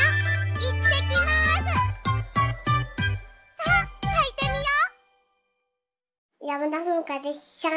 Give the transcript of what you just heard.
さあはいてみよう！